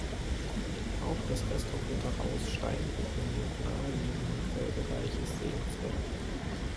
Auch das restaurierte Haus Steinrücken mit nahe liegenden Quellbereich ist sehenswert.